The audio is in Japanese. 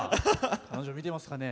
彼女、見てますかね。